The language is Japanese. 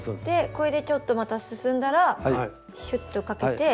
これでちょっとまた進んだらシュッとかけて。